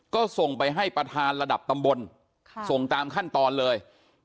ก็ส่งไปให้ประธานระดับตำบลส่งตามขั้นตอนเลย